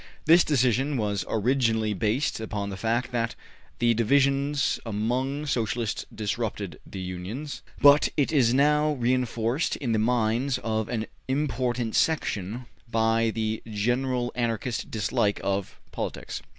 This decision was originally based upon the fact that the divisions among Socialists disrupted the Unions, but it is now reinforced in the minds of an important section by the general Anarchist dislike of politics.